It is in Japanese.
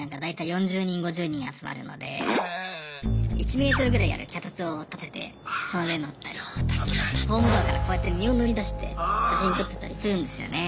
１ｍぐらいある脚立を立ててその上乗ったりホームドアからこうやって身を乗り出して写真撮ってたりするんですよね。